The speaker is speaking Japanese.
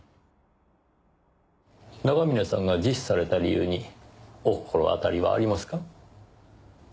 長峰さんが自死された理由にお心当たりはありますか？